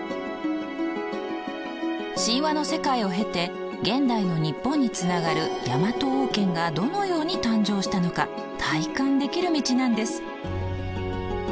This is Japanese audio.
神話の世界を経て現代の日本につながるヤマト王権がどのように誕生したのか体感できる道なんです。